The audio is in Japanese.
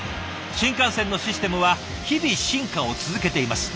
新幹線のシステムは日々進化を続けています。